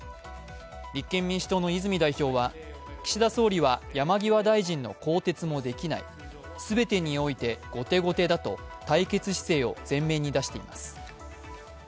立憲民主党の泉代表は、岸田総理は山際大臣の更迭もできない、全てにおいて後手後手だと対決姿勢を前面に出しています。